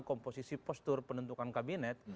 komposisi postur penentukan kabinet